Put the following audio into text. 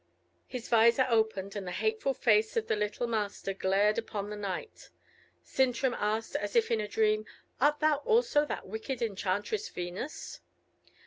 His visor opened, and the hateful face of the little Master glared upon the knight. Sintram asked, as if in a dream, "Art thou also that wicked enchantress Venus?"